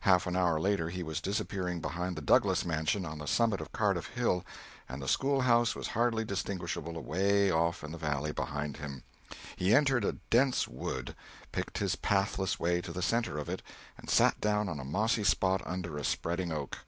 Half an hour later he was disappearing behind the Douglas mansion on the summit of Cardiff Hill, and the school house was hardly distinguishable away off in the valley behind him. He entered a dense wood, picked his pathless way to the centre of it, and sat down on a mossy spot under a spreading oak.